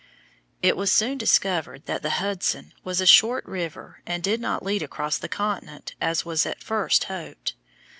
It was soon discovered that the Hudson was a short river and did not lead across the continent as was at first hoped.